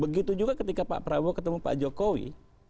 begitu juga ketika pak prabowo ketemu pak jokowi